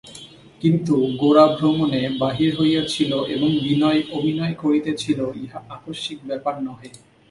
কিন্তু গোরা ভ্রমণে বাহির হইয়াছিল এবং বিনয় অভিনয় করিতেছিল ইহা আকস্মিক ব্যাপার নহে।